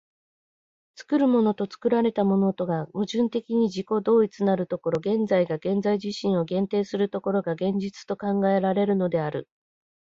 作るものと作られたものとが矛盾的に自己同一なる所、現在が現在自身を限定する所が、現実と考えられるのである。